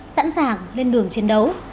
sẵn sàng lên đường chiến đấu